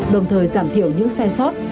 đồng thời giảm thiểu những sai sót